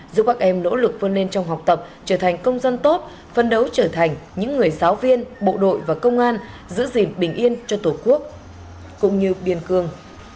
giúp các em nỗ lực vươn lên trong học tập trở thành công dân tốt phân đấu trở thành những người giáo viên bộ đội và công an giữ gìn bình yên cho tổ quốc cũng như biên cương